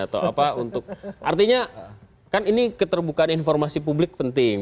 atau apa untuk artinya kan ini keterbukaan informasi publik penting